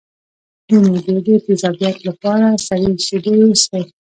د معدې د تیزابیت لپاره سړې شیدې وڅښئ